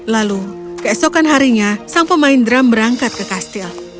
lalu keesokan harinya sang pemain drum berangkat ke kastil